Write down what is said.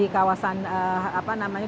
kawasan yang terbatasi di kawasan